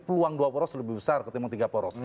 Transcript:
peluang dua poros lebih besar ketimbang tiga poros